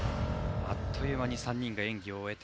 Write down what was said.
あっという間に３人が演技を終えて